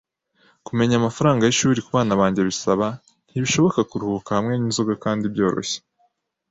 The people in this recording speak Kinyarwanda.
Kumenya amafaranga yishuri kubana banjye bisaba, ntibishoboka kuruhuka hamwe n'inzoga kandi byoroshye.